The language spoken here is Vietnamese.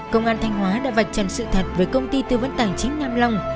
công an thanh hóa đã vạch trần sự thật với công ty tư vấn tài chính nam long